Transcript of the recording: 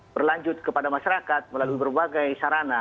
berlanjut kepada masyarakat melalui berbagai sarana